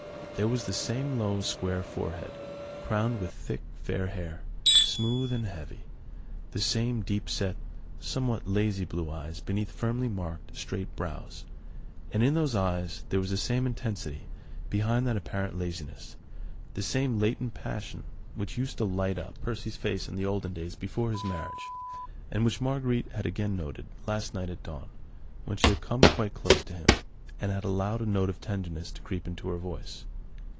There was the same low, square forehead, crowned with thick, fair hair, smooth and heavy; the same deep set, somewhat lazy blue eyes beneath firmly marked, straight brows; and in those eyes there was the same intensity behind that apparent laziness, the same latent passion which used to light up Percy's face in the olden days before his marriage, and which Marguerite had again noted, last night at dawn, when she had come quite close to him, and had allowed a note of tenderness to creep into her voice.